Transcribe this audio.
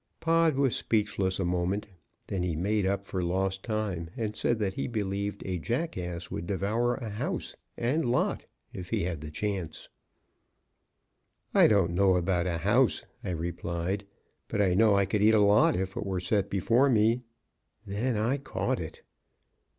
Pod was speechless a moment, then he made up for lost time, and said that he believed a jackass would devour a house and lot if he had the chance. "I don't know about a house," I replied, "but I know I could eat a lot if it were set before me." Then I caught it!